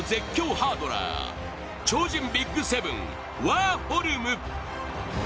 ハードラー超人ＢＩＧ７、ワーホルム。